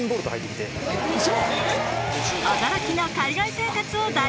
ウソ！